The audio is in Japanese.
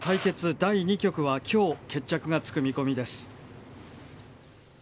第２局は今日決着がつく見込みです。